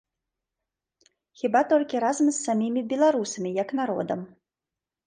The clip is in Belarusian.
Хіба толькі разам з самімі беларусамі як народам.